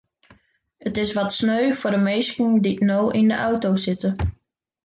It is wat sneu foar de minsken dy't no yn de auto sitte.